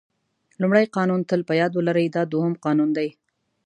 لومړی قانون تل په یاد ولرئ دا دوهم قانون دی.